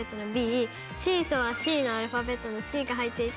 シーソーは「シー」のアルファベットの「Ｃ」が入っていて。